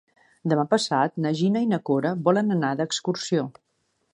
Demà passat na Gina i na Cora volen anar d'excursió.